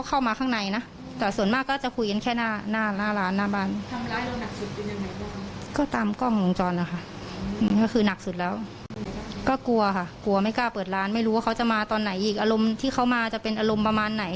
อารมณ์ไหนอีกอารมณ์ที่เขามาจะเป็นอารมณ์ประมาณไหน